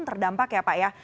terdampak ya pak ya